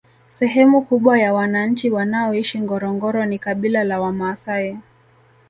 Sehemu kubwa ya wananchi wanaoishi ngorongoro ni kabila la wamaasai